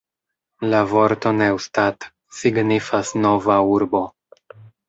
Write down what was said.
La vorto Neustadt signifas "nova urbo".